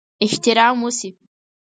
احترام وشي.